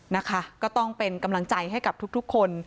นะคะก็ต้องเป็นกำลังใจให้กับทุกคน